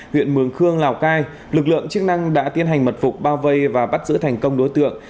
huyện mường khương lào cai lực lượng chức năng đã tiến hành mật phục bao vây và bắt giữ thành công đối tượng